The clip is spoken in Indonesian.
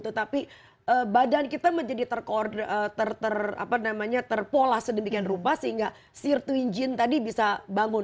tetapi badan kita menjadi terpolah sedemikian rupa sehingga sear twin gene tadi bisa bangun